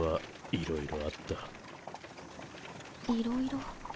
いろいろ。